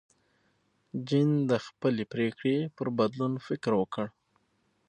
جین د خپلې پرېکړې پر بدلون فکر وکړ.